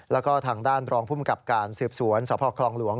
แล้วก็ทางด้านรองภูมิกับการสืบสวนสพคลองหลวง